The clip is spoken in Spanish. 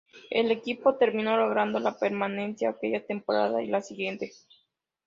El equipo terminó logrando la permanencia aquella temporada y la siguiente.